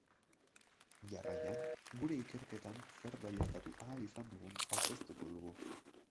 Jarraian, gure ikerketan zer baieztatu ahal izan dugun aurkeztuko dugu.